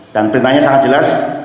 dan perintahnya sangat jelas